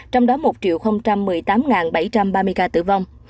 trong đó một một mươi tám bảy trăm ba mươi ca tử vong